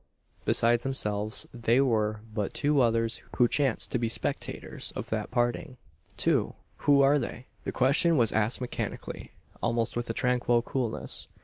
Besides themselves, there were but two others who chanced to be spectators of that parting." "Two who were they?" The question was asked mechanically almost with a tranquil coolness.